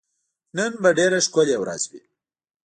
نن به ډېره ښکلی ورځ وي